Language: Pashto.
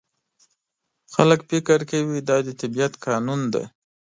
خلک فکر کوي دا د طبیعت قانون دی.